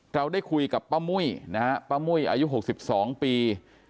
เราได้คุยกับป้ามุ้ยนะฮะป้ามุ้ยอายุ๖๒ปี